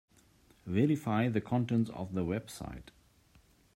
Verify the contents of the website.